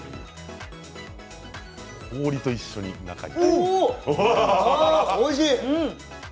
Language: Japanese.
氷と一緒に中に。